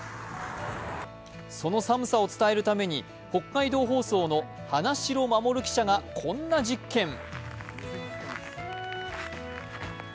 その寒さを伝えるために北海道放送の花城記者がこんな実験。